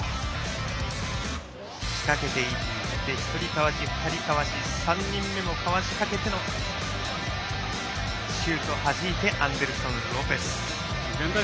仕掛けていって１人かわして、２人かわして３人目もかわしかけてのシュートをはじいてアンデルソン・ロペス。